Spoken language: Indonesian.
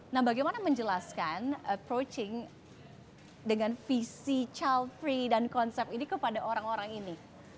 nah bagaimana menjelaskan approaching dengan visi child free dan konsep ini kepada orang orang ini